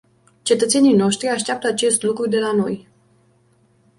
Cetățenii noștri așteaptă acest lucru de la noi.